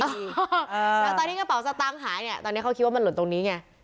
แล้วตอนที่กระเป๋าสตางค์หายเนี่ยตอนนี้เขาคิดว่ามันหล่นตรงนี้ไง